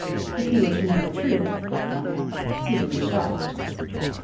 If he were to know the truth, he would be shocked.